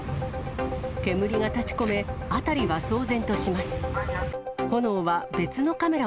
煙が立ちこめ、辺りは騒然とします。